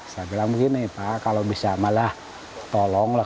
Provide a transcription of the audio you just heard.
saya bilang begini pak kalau bisa malah tolong lah